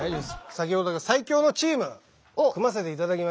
先ほど最強のチーム組ませていただきました。